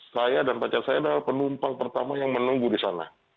saya dan pacar saya adalah penumpang pertama yang menunggu di sana